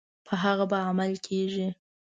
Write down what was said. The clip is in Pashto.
په هغه به عمل کیږي.